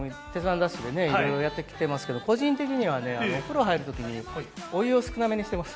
ＤＡＳＨ！！でいろいろやってきてますけど、個人的には、お風呂入るときに、おゆを少なめにしてます。